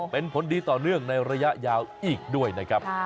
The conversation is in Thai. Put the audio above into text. เป็นผลดีต่อเนื่องในระยะยาวอีกด้วยนะครับ